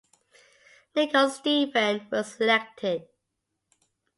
Nicol Stephen was elected.